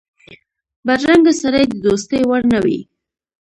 بدرنګه سړی د دوستۍ وړ نه وي